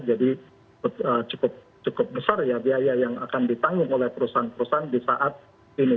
jadi cukup besar ya biaya yang akan ditanggung oleh perusahaan perusahaan di saat ini